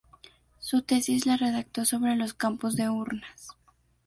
Su tesis la redactó sobre los campos de urnas.